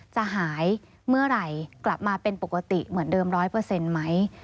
จะหายเมื่อไหร่กลับมาเป็นปกติเหมือนเดิม๑๐๐ไหม